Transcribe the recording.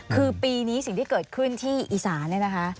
เป็นปีนี้สิ่งที่เกิดขึ้นที่อีศาล